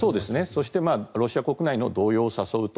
そしてロシア国内の動揺を誘うと。